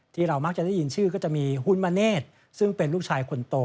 ที่เรามักจะได้ยินชื่อก็จะมีฮุนมเนธซึ่งเป็นลูกชายคนโต